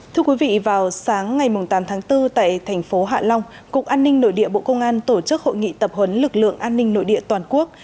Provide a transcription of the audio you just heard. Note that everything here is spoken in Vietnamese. thưa quý vị vào sáng ngày tám tháng bốn tại thành phố hạ long cục an ninh nội địa bộ công an tổ chức hội nghị tập huấn lực lượng an ninh nội địa toàn quốc